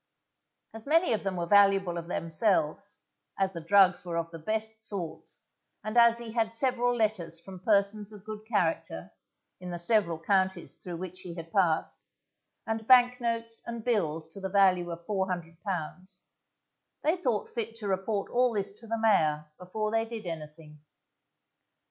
As many of them were valuable of themselves, as the drugs were of the best sorts, and as he had several letters from persons of good character, in the several counties through which he had passed, and bank notes and bills to the value of £400, they thought fit to report all this to the mayor, before they did anything.